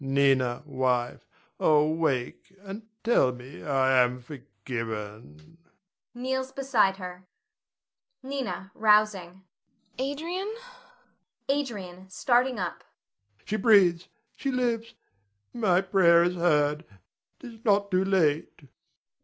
Nina, wife, oh, wake and tell me I am forgiven! [Kneels beside her.] Nina [rousing]. Adrian! Adrian [starting up]. She breathes, she lives, my prayer is heard. 'Tis not too late.